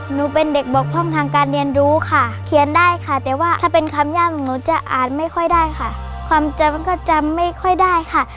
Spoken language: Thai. หนูเป็นเด็กบกพร่องทางการเรียนรู้ค่ะเขียนได้ค่ะแต่ว่าถ้าเป็นคำย่ำหนูจะอ่านไม่ค่อยได้ค่ะความจำมันก็จำไม่ค่อยได้ค่ะ